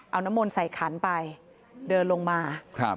เอาน้ำมนต์ใส่ขันไปเดินลงมาครับ